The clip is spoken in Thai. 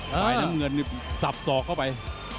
ติดตามยังน้อยกว่า